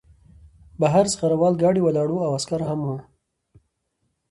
بهر زغره وال ګاډی ولاړ و او عسکر هم وو